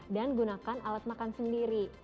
dan gunakan alat makan sendiri